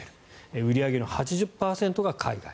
売り上げの８０％が海外。